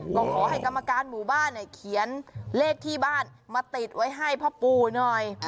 ก็ขอให้กรรมการหมู่บ้านเขียนเลขที่บ้านมาติดไว้ให้พ่อปู่หน่อย